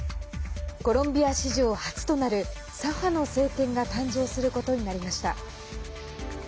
コロンビア史上初となる左派の政権が誕生することになりました。